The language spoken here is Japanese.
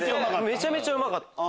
めちゃめちゃうまかった。